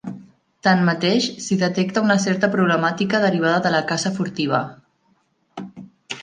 Tanmateix, s'hi detecta una certa problemàtica derivada de la caça furtiva.